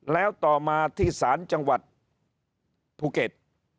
แล้วต่อมาที่ศาลจังหวัดภูเก็ต